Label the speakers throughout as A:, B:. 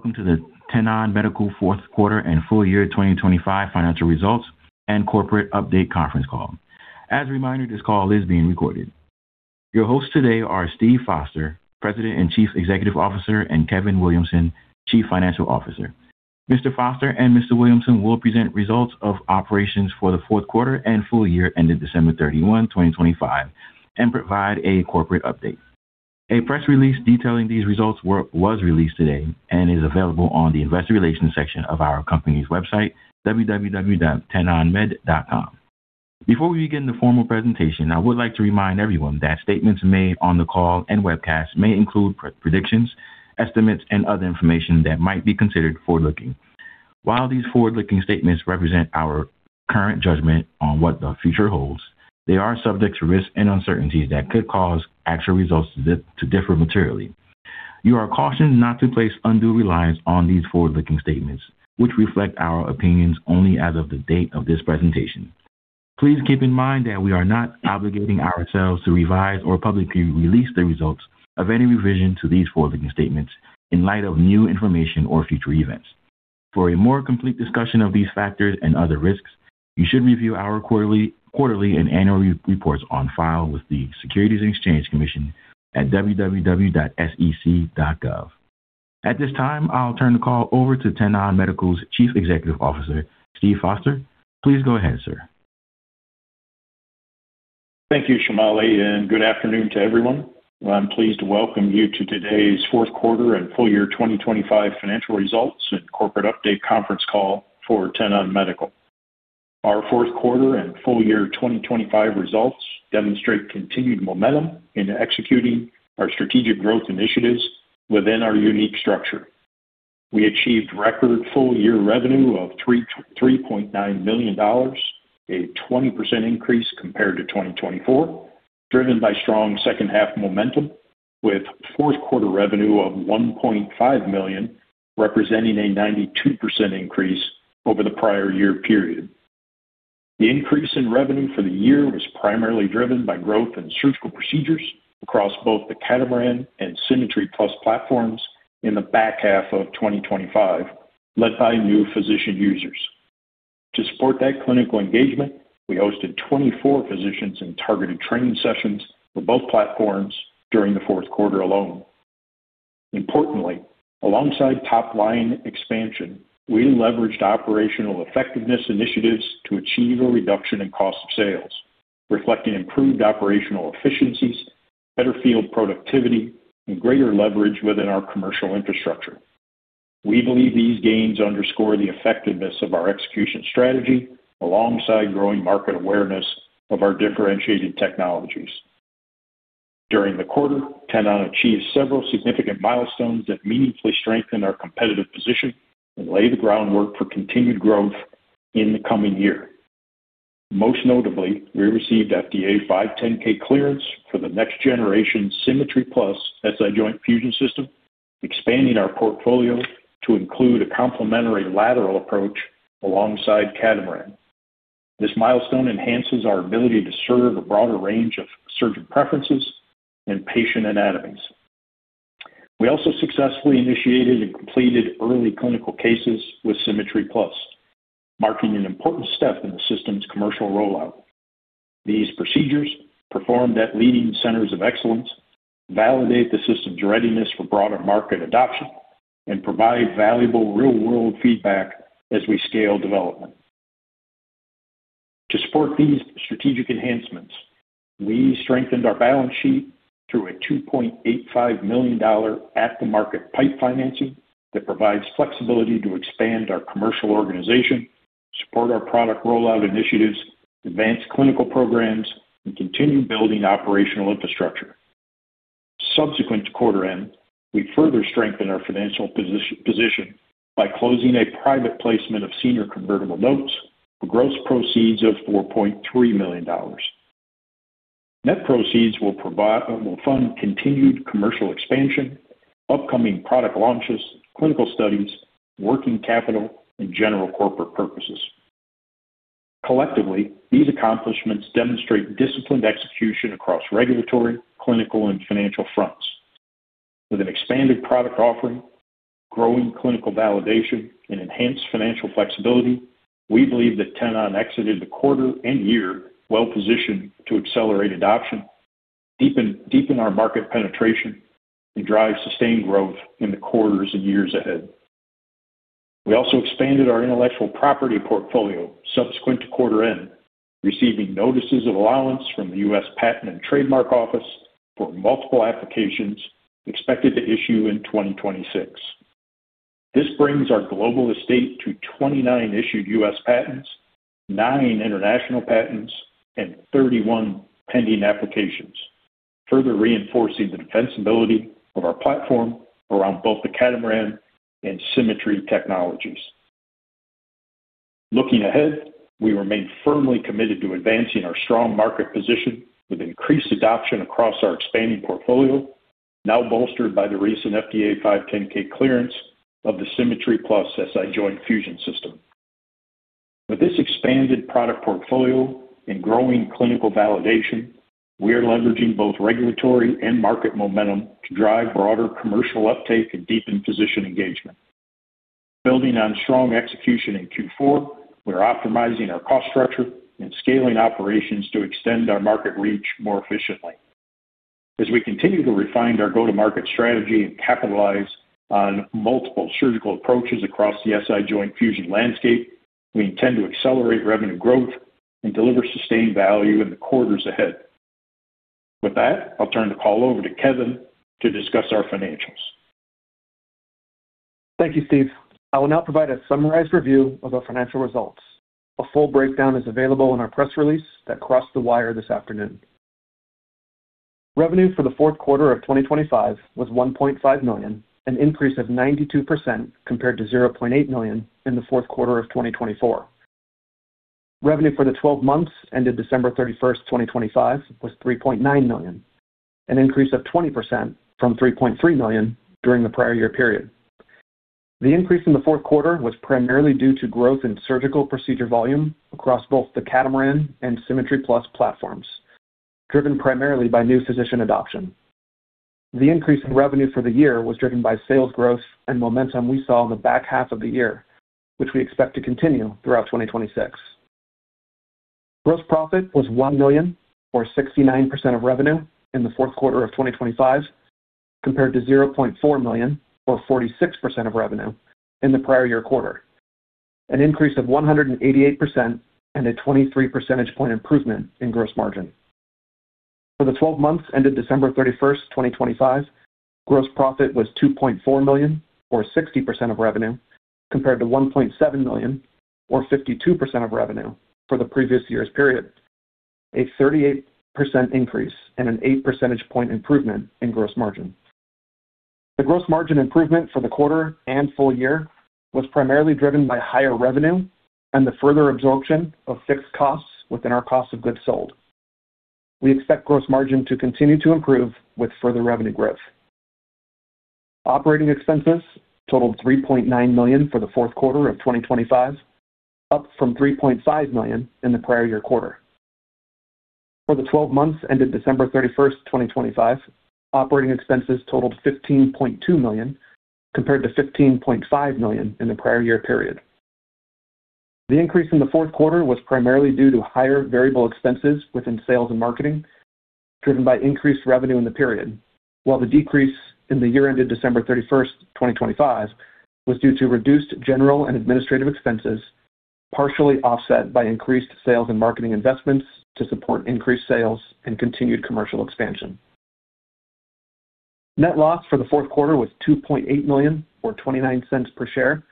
A: Greetings, and welcome to the Tenon Medical fourth quarter and full year 2025 financial results and corporate update conference call. As a reminder, this call is being recorded. Your hosts today are Steve Foster, President and Chief Executive Officer, and Kevin Williamson, Chief Financial Officer. Mr. Foster and Mr. Williamson will present results of operations for the fourth quarter and full year ended December 31, 2025 and provide a corporate update. A press release detailing these results was released today and is available on the investor relations section of our company's website, www.tenonmed.com. Before we begin the formal presentation, I would like to remind everyone that statements made on the call and webcast may include predictions, estimates, and other information that might be considered forward-looking. While these forward-looking statements represent our current judgment on what the future holds, they are subject to risks and uncertainties that could cause actual results to differ materially. You are cautioned not to place undue reliance on these forward-looking statements, which reflect our opinions only as of the date of this presentation. Please keep in mind that we are not obligating ourselves to revise or publicly release the results of any revision to these forward-looking statements in light of new information or future events. For a more complete discussion of these factors and other risks, you should review our quarterly and annual reports on file with the Securities and Exchange Commission at www.sec.gov. At this time, I'll turn the call over to Tenon Medical's Chief Executive Officer, Steve Foster. Please go ahead, sir.
B: Thank you, Shamali, and good afternoon to everyone. I'm pleased to welcome you to today's fourth quarter and full year 2025 financial results and corporate update conference call for Tenon Medical. Our fourth quarter and full year 2025 results demonstrate continued momentum in executing our strategic growth initiatives within our unique structure. We achieved record full-year revenue of $3.9 million, a 20% increase compared to 2024, driven by strong second-half momentum, with fourth quarter revenue of $1.5 million, representing a 92% increase over the prior year period. The increase in revenue for the year was primarily driven by growth in surgical procedures across both the Catamaran and SImmetry+ platforms in the back half of 2025, led by new physician users. To support that clinical engagement, we hosted 24 physicians in targeted training sessions for both platforms during the fourth quarter alone. Importantly, alongside top-line expansion, we leveraged operational effectiveness initiatives to achieve a reduction in cost of sales, reflecting improved operational efficiencies, better field productivity, and greater leverage within our commercial infrastructure. We believe these gains underscore the effectiveness of our execution strategy alongside growing market awareness of our differentiated technologies. During the quarter, Tenon achieved several significant milestones that meaningfully strengthened our competitive position and lay the groundwork for continued growth in the coming year. Most notably, we received FDA 510(k) clearance for the next generation SImmetry+ SI joint fusion system, expanding our portfolio to include a complementary lateral approach alongside Catamaran. This milestone enhances our ability to serve a broader range of surgeon preferences and patient anatomies. We successfully initiated and completed early clinical cases with SImmetry+, marking an important step in the system's commercial rollout. These procedures, performed at leading centers of excellence, validate the system's readiness for broader market adoption and provide valuable real-world feedback as we scale development. To support these strategic enhancements, we strengthened our balance sheet through a $2.85 million at-the-market PIPE financing that provides flexibility to expand our commercial organization, support our product rollout initiatives, advance clinical programs, and continue building operational infrastructure. Subsequent to quarter end, we further strengthened our financial position by closing a private placement of senior convertible notes for gross proceeds of $4.3 million. Net proceeds will fund continued commercial expansion, upcoming product launches, clinical studies, working capital, and general corporate purposes. Collectively, these accomplishments demonstrate disciplined execution across regulatory, clinical, and financial fronts. With an expanded product offering, growing clinical validation, and enhanced financial flexibility, we believe that Tenon exited the quarter and year well-positioned to accelerate adoption, deepen our market penetration, and drive sustained growth in the quarters and years ahead. We also expanded our intellectual property portfolio subsequent to quarter end, receiving notices of allowance from the U.S. Patent and Trademark Office for multiple applications expected to issue in 2026. This brings our global estate to 29 issued U.S. patents, nine international patents, and 31 pending applications, further reinforcing the defensibility of our platform around both the Catamaran and SImmetry technologies. Looking ahead, we remain firmly committed to advancing our strong market position with increased adoption across our expanding portfolio, now bolstered by the recent FDA 510(k) clearance of the SImmetry+ SI Joint Fusion System. With this expanded product portfolio and growing clinical validation, we are leveraging both regulatory and market momentum to drive broader commercial uptake and deepen physician engagement. Building on strong execution in Q4, we are optimizing our cost structure and scaling operations to extend our market reach more efficiently. As we continue to refine our go-to-market strategy and capitalize on multiple surgical approaches across the SI joint fusion landscape, we intend to accelerate revenue growth and deliver sustained value in the quarters ahead. With that, I'll turn the call over to Kevin to discuss our financials.
C: Thank you, Steve. I will now provide a summarized review of our financial results. A full breakdown is available in our press release that crossed the wire this afternoon. Revenue for the fourth quarter of 2025 was $1.5 million, an increase of 92% compared to $0.8 million in the fourth quarter of 2024. Revenue for the twelve months ended December 31st, 2025 was $3.9 million, an increase of 20% from $3.3 million during the prior year period. The increase in the fourth quarter was primarily due to growth in surgical procedure volume across both the Catamaran and SImmetry+ platforms, driven primarily by new physician adoption. The increase in revenue for the year was driven by sales growth and momentum we saw in the back half of the year, which we expect to continue throughout 2026. Gross profit was $1 million or 69% of revenue in the fourth quarter of 2025, compared to $0.4 million or 46% of revenue in the prior-year quarter. An increase of 188% and a 23 percentage point improvement in gross margin. For the 12 months ended December 31st, 2025, gross profit was $2.4 million or 60% of revenue, compared to $1.7 million or 52% of revenue for the previous year's period. A 38% increase and an eight percentage point improvement in gross margin. The gross margin improvement for the quarter and full year was primarily driven by higher revenue and the further absorption of fixed costs within our cost of goods sold. We expect gross margin to continue to improve with further revenue growth. Operating expenses totaled $3.9 million for the fourth quarter of 2025, up from $3.5 million in the prior year quarter. For the 12 months ended December 31st, 2025, operating expenses totaled $15.2 million, compared to $15.5 million in the prior year period. The increase in the fourth quarter was primarily due to higher variable expenses within sales and marketing, driven by increased revenue in the period. The decrease in the year ended December 31st, 2025 was due to reduced general and administrative expenses, partially offset by increased sales and marketing investments to support increased sales and continued commercial expansion. Net loss for the fourth quarter was $2.8 million or $0.29 per share,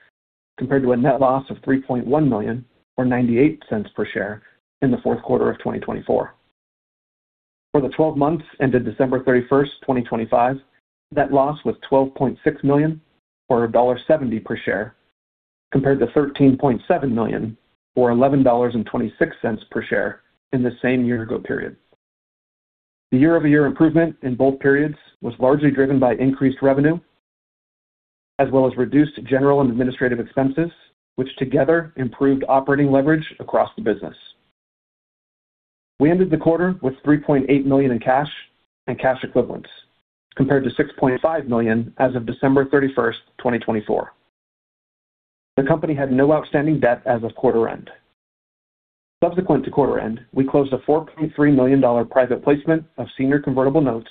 C: compared to a net loss of $3.1 million or $0.98 per share in the fourth quarter of 2024. For the 12 months ended December 31st, 2025, net loss was $12.6 million or $1.70 per share, compared to $13.7 million or $11.26 per share in the same year-ago period. The year-over-year improvement in both periods was largely driven by increased revenue as well as reduced general and administrative expenses, which together improved operating leverage across the business. We ended the quarter with $3.8 million in cash and cash equivalents, compared to $6.5 million as of December 31st, 2024. The company had no outstanding debt as of quarter end. Subsequent to quarter end, we closed a $4.3 million private placement of senior convertible notes,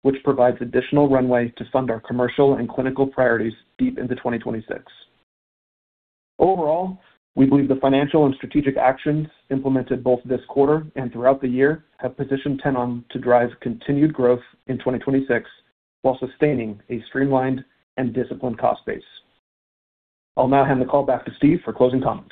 C: which provides additional runway to fund our commercial and clinical priorities deep into 2026. Overall, we believe the financial and strategic actions implemented both this quarter and throughout the year have positioned Tenon to drive continued growth in 2026 while sustaining a streamlined and disciplined cost base. I'll now hand the call back to Steve for closing comments.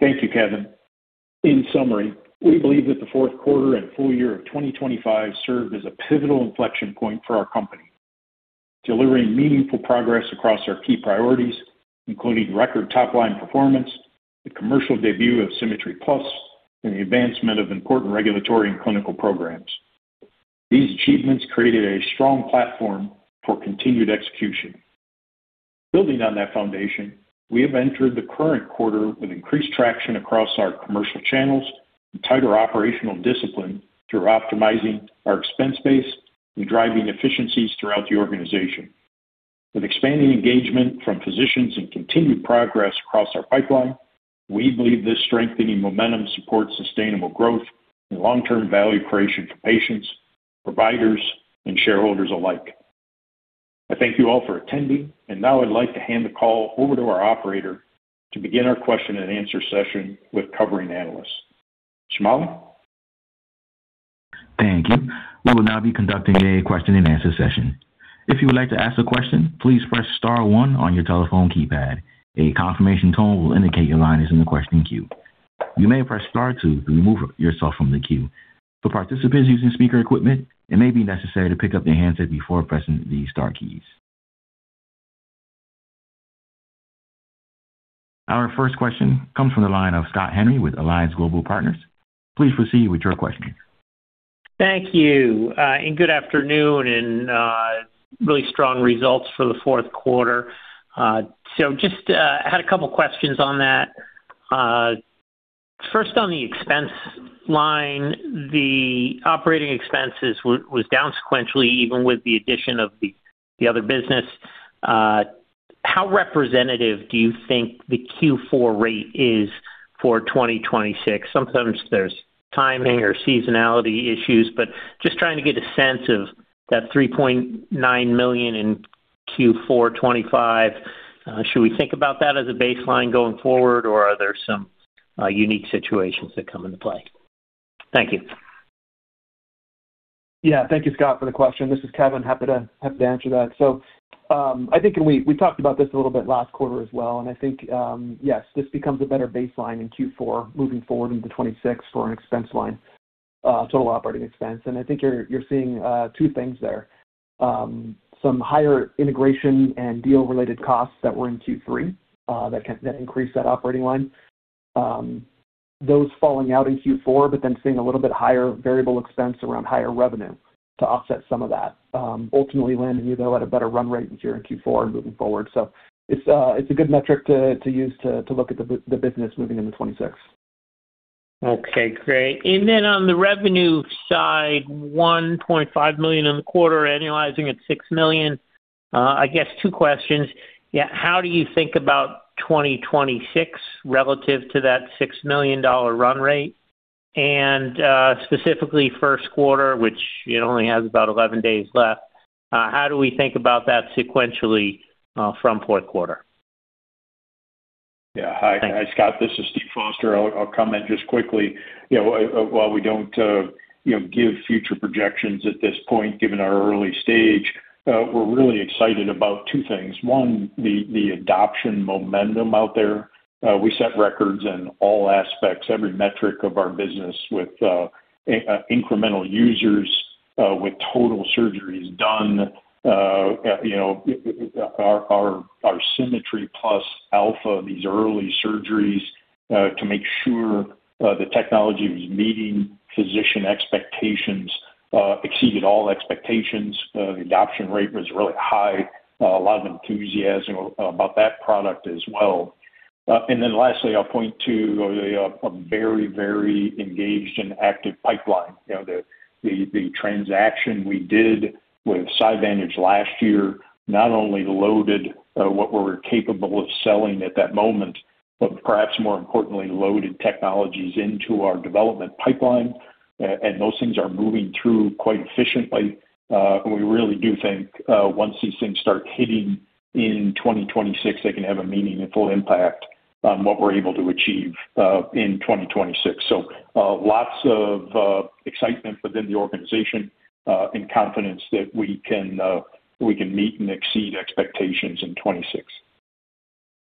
B: Thank you, Kevin. In summary, we believe that the fourth quarter and full year of 2025 served as a pivotal inflection point for our company, delivering meaningful progress across our key priorities, including record top-line performance, the commercial debut of SImmetry+, and the advancement of important regulatory and clinical programs. These achievements created a strong platform for continued execution. Building on that foundation, we have entered the current quarter with increased traction across our commercial channels and tighter operational discipline through optimizing our expense base and driving efficiencies throughout the organization. With expanding engagement from physicians and continued progress across our pipeline, we believe this strengthening momentum supports sustainable growth and long-term value creation for patients, providers, and shareholders alike. I thank you all for attending. Now I'd like to hand the call over to our operator to begin our question and answer session with covering analysts. Shamali?
A: Thank you. We will now be conducting a question and answer session. If you would like to ask a question, please press star one on your telephone keypad. A confirmation tone will indicate your line is in the question queue. You may press star two to remove yourself from the queue. For participants using speaker equipment, it may be necessary to pick up their handset before pressing the star keys. Our first question comes from the line of Scott Henry with Alliance Global Partners. Please proceed with your question.
D: Thank you, and good afternoon, really strong results for the fourth quarter. Just had a couple questions on that. First on the expense line, the operating expenses was down sequentially, even with the addition of the other business. How representative do you think the Q4 rate is for 2026? Sometimes there's timing or seasonality issues, but just trying to get a sense of that $3.9 million in Q4 2025. Should we think about that as a baseline going forward, or are there some unique situations that come into play? Thank you.
C: Yeah. Thank you, Scott, for the question. This is Kevin. Happy to answer that. I think we talked about this a little bit last quarter as well, and I think yes, this becomes a better baseline in Q4 moving forward into 2026 for an expense line, total operating expense. I think you're seeing two things there. Some higher integration and deal-related costs that were in Q3 that increase that operating line. Those falling out in Q4, but then seeing a little bit higher variable expense around higher revenue to offset some of that, ultimately landing you though at a better run rate here in Q4 and moving forward. It's a good metric to use to look at the business moving into 2026.
D: Okay, great. On the revenue side, $1.5 million in the quarter, annualizing at $6 million. I guess two questions. Yeah. How do you think about 2026 relative to that $6 million run rate? Specifically first quarter, which it only has about 11 days left, how do we think about that sequentially, from fourth quarter?
B: Yeah.
D: Thanks.
B: Hi. Hi, Scott. This is Steve Foster. I'll comment just quickly. You know, while we don't, you know, give future projections at this point, given our early stage, we're really excited about two things. One, the adoption momentum out there. We set records in all aspects, every metric of our business with incremental users, with total surgeries done. You know, our SImmetry+ alpha, these early surgeries to make sure the technology was meeting physician expectations exceeded all expectations. The adoption rate was really high. A lot of enthusiasm about that product as well. Then lastly, I'll point to a very, very engaged and active pipeline. You know, the transaction we did with SiVantage last year not only loaded, what we were capable of selling at that moment, but perhaps more importantly, loaded technologies into our development pipeline. Those things are moving through quite efficiently. We really do think, once these things start hitting in 2026, they can have a meaningful impact on what we're able to achieve, in 2026. Lots of excitement within the organization, and confidence that we can meet and exceed expectations in 2026.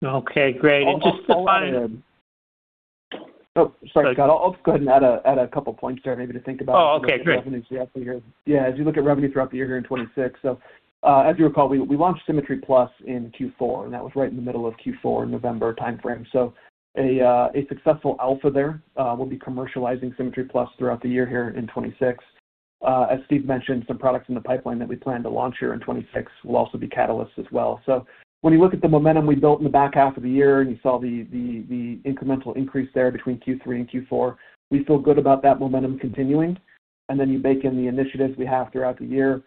D: Okay, great. Just the final
C: I'll add in. Oh, sorry, Scott. I'll go ahead and add a couple points there maybe to think about.
D: Oh, okay. Great.
C: As you look at revenue throughout the year here in 2026. As you recall, we launched SImmetry+ in Q4, and that was right in the middle of Q4, November timeframe. A successful alpha there. We'll be commercializing SImmetry+ throughout the year here in 2026. As Steve mentioned, some products in the pipeline that we plan to launch here in 2026 will also be catalysts as well. When you look at the momentum we built in the back half of the year and you saw the incremental increase there between Q3 and Q4, we feel good about that momentum continuing. Then you bake in the initiatives we have throughout the year.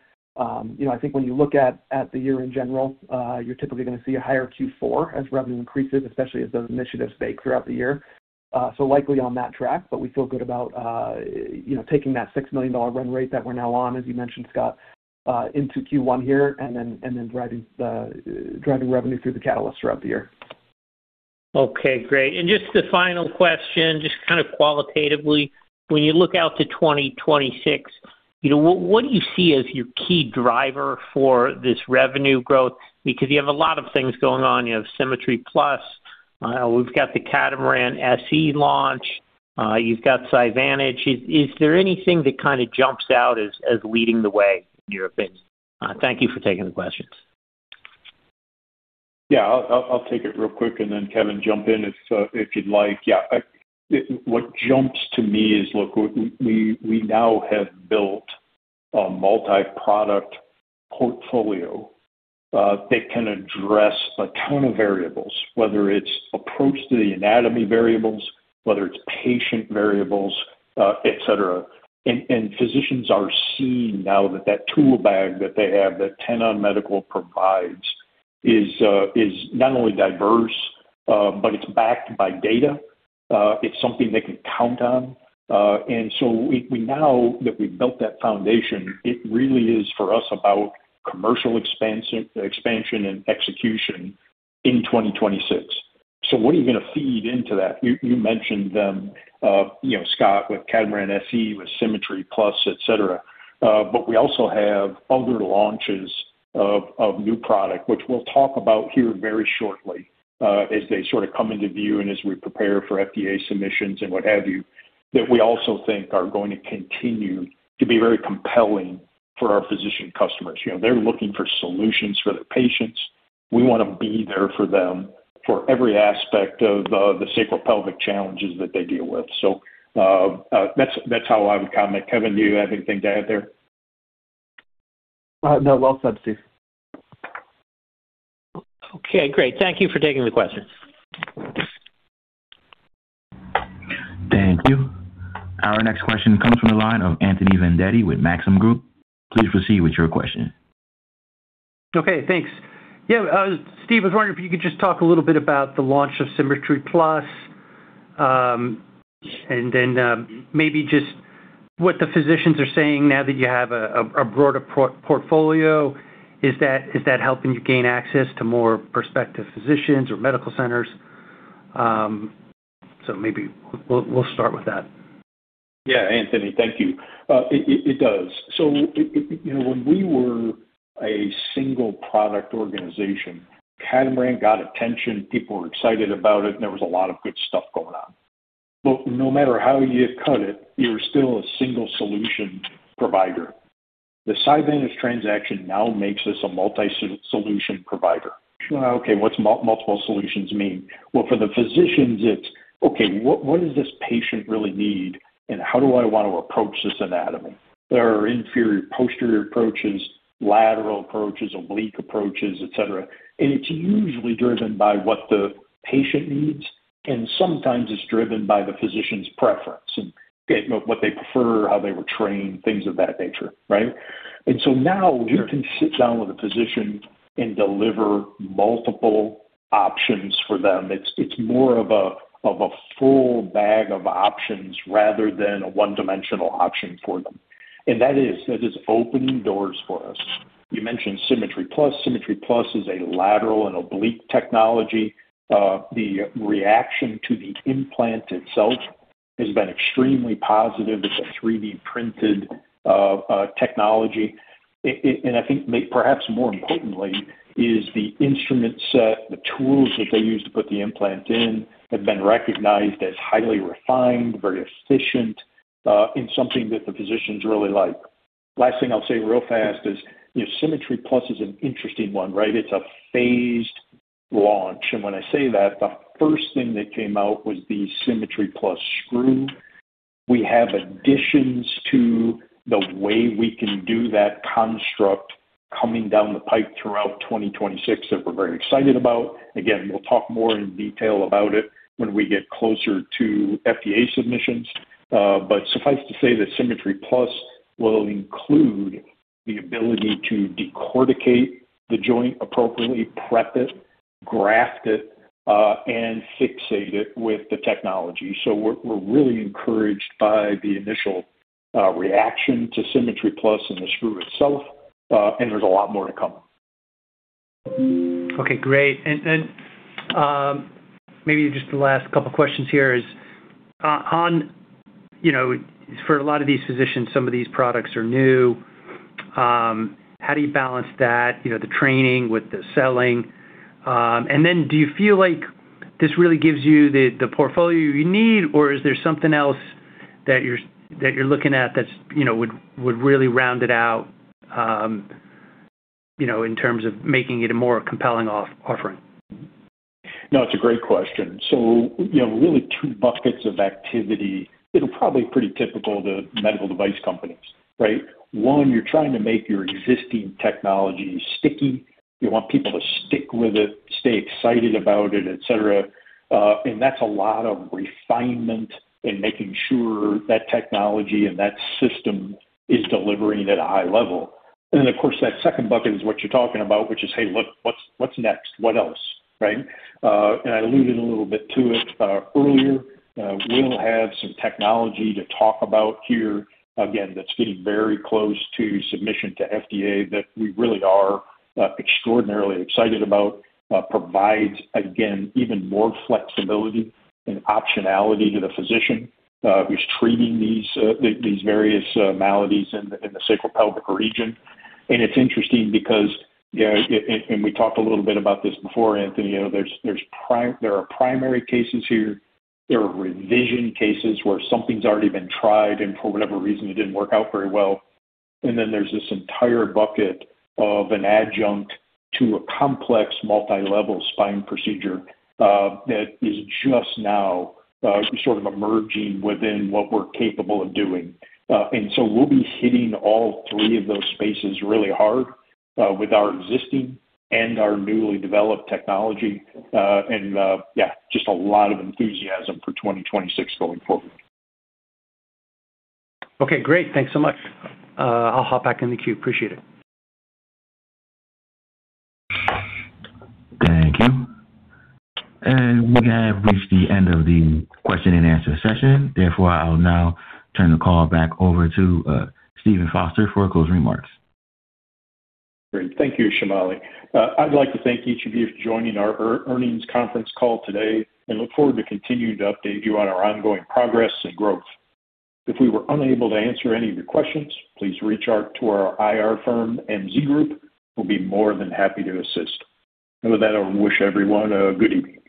C: You know, I think when you look at the year in general, you're typically gonna see a higher Q4 as revenue increases, especially as those initiatives bake throughout the year. Likely on that track, but we feel good about, you know, taking that $6 million run rate that we're now on, as you mentioned, Scott, into Q1 here and then driving revenue through the catalyst throughout the year.
D: Okay, great. Just the final question, just kind of qualitatively, when you look out to 2026, you know, what do you see as your key driver for this revenue growth? Because you have a lot of things going on. You have SImmetry+. We've got the Catamaran SE launch. You've got SiVantage. Is there anything that kind of jumps out as leading the way in your opinion? Thank you for taking the questions.
B: Yeah. I'll take it real quick and then Kevin, jump in if you'd like. What jumps to me is, look, we now have built a multi-product portfolio that can address a ton of variables, whether it's approach to the anatomy variables, whether it's patient variables, et cetera. Physicians are seeing now that tool bag that they have, that Tenon Medical provides is not only diverse, but it's backed by data. It's something they can count on. Now that we've built that foundation, it really is for us about commercial expansion and execution in 2026. What are you gonna feed into that? You mentioned them, you know, Scott, with Catamaran SE, with SImmetry+, etc. But we also have other launches of new product which we'll talk about here very shortly, as they sort of come into view and as we prepare for FDA submissions and what have you, that we also think are going to continue to be very compelling for our physician customers. You know, they're looking for solutions for their patients. We want to be there for them for every aspect of the sacropelvic challenges that they deal with. That's how I would comment. Kevin, do you have anything to add there?
C: No. Well said, Steve.
D: Okay, great. Thank you for taking the question.
A: Thank you. Our next question comes from the line of Anthony Vendetti with Maxim Group. Please proceed with your question.
E: Okay, thanks. Yeah, Steve, I was wondering if you could just talk a little bit about the launch of SImmetry+. And then, maybe just what the physicians are saying now that you have a broader portfolio. Is that helping you gain access to more prospective physicians or medical centers? Maybe we'll start with that.
B: Yeah, Anthony. Thank you. It does. You know, when we were a single product organization, Catamaran got attention, people were excited about it, and there was a lot of good stuff going on. But no matter how you cut it, you're still a single solution provider. The SiVantage transaction now makes us a multi-solution provider. Okay, what multiple solutions mean? Well, for the physicians, it's okay, what does this patient really need, and how do I want to approach this anatomy? There are inferior posterior approaches, lateral approaches, oblique approaches, et cetera. It's usually driven by what the patient needs, and sometimes it's driven by the physician's preference and, you know, what they prefer, how they were trained, things of that nature, right? Now we can sit down with a physician and deliver multiple options for them. It's more of a full bag of options rather than a one-dimensional option for them. That is opening doors for us. You mentioned SImmetry+. SImmetry+ is a lateral and oblique technology. The reaction to the implant itself has been extremely positive. It's a 3D printed technology. I think perhaps more importantly is the instrument set. The tools that they use to put the implant in have been recognized as highly refined, very efficient, and something that the physicians really like. Last thing I'll say real fast is, you know, SImmetry+ is an interesting one, right? It's a phased launch. When I say that, the first thing that came out was the SImmetry+ screw. We have additions to the way we can do that construct coming down the pipe throughout 2026 that we're very excited about. Again, we'll talk more in detail about it when we get closer to FDA submissions. Suffice to say that SImmetry+ will include the ability to decorticate the joint appropriately, prep it, graft it, and fixate it with the technology. We're really encouraged by the initial reaction to SImmetry+ and the screw itself. There's a lot more to come.
E: Okay, great. Maybe just the last couple questions here is on, you know, for a lot of these physicians, some of these products are new. How do you balance that, you know, the training with the selling? Do you feel like this really gives you the portfolio you need, or is there something else that you're looking at that's, you know, would really round it out, you know, in terms of making it a more compelling offering?
B: No, it's a great question. You know, really two buckets of activity. It'll probably pretty typical to medical device companies, right? One, you're trying to make your existing technology sticky. You want people to stick with it, stay excited about it, et cetera. That's a lot of refinement in making sure that technology and that system is delivering at a high level. Of course, that second bucket is what you're talking about, which is, "Hey, look, what's next? What else?" right? I alluded a little bit to it earlier. We'll have some technology to talk about here. Again, that's getting very close to submission to FDA that we really are extraordinarily excited about. Provides, again, even more flexibility and optionality to the physician who's treating these various maladies in the sacropelvic region. It's interesting because, you know, we talked a little bit about this before, Anthony. You know, there are primary cases here. There are revision cases where something's already been tried, and for whatever reason, it didn't work out very well. Then there's this entire bucket of an adjunct to a complex multi-level spine procedure that is just now sort of emerging within what we're capable of doing. We'll be hitting all three of those spaces really hard with our existing and our newly developed technology. Yeah, just a lot of enthusiasm for 2026 going forward.
E: Okay, great. Thanks so much. I'll hop back in the queue. Appreciate it.
A: Thank you. We have reached the end of the question and answer session. Therefore, I'll now turn the call back over to Steven Foster for closing remarks.
B: Great. Thank you, Shamali. I'd like to thank each of you for joining our earnings conference call today and look forward to continuing to update you on our ongoing progress and growth. If we were unable to answer any of your questions, please reach out to our IR firm, MZ Group. We'll be more than happy to assist. With that, I wish everyone a good evening.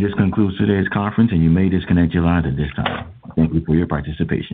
A: Thank you. This concludes today's conference, and you may disconnect your line at this time. Thank you for your participation.